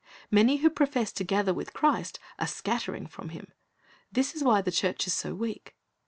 Many who profess to gather with Christ are scattering from Him. This is why the church is so weak.